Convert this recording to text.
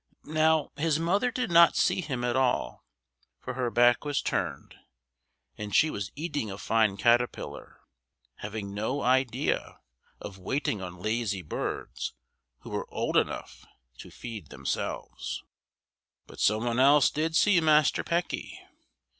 Now his mother did not see him at all, for her back was turned, and she was eating a fine caterpillar, having no idea of waiting on lazy birds who were old enough to feed themselves. But some one else did see Master Pecky!